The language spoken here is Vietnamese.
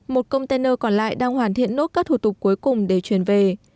một công tên nô còn lại đang hoàn thiện nốt các thủ tục cuối cùng để truyền về